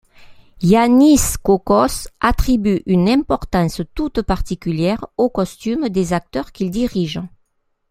Yannis Kokkos attribue une importance toute particulière aux costumes des acteurs qu’il dirige.